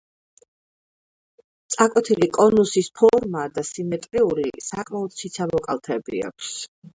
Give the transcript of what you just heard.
წაკვეთილი კონუსის ფორმა და სიმეტრიული, საკმაოდ ციცაბო კალთები აქვს.